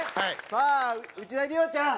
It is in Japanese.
さあ内田理央ちゃん。